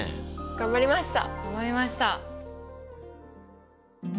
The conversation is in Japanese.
頑張りました！